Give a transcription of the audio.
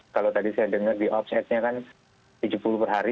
kalau tadi saya dengar di offsetnya kan tujuh puluh per hari